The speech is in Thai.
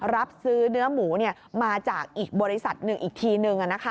รับซื้อเนื้อหมูมาจากอีกบริษัทหนึ่งอีกทีหนึ่ง